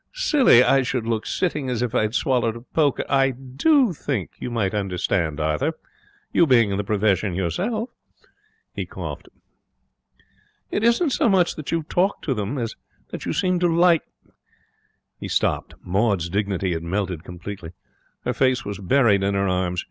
Silly I should look sitting as if I'd swallowed a poker. I do think you might understand, Arthur, you being in the profession yourself.' He coughed. 'It isn't so much that you talk to them as that you seem to like ' He stopped. Maud's dignity had melted completely. Her face was buried in her arms.